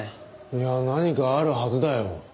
いや何かあるはずだよ。